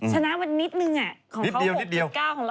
ชนะมานิดนึงของเขา๖๙ของเรา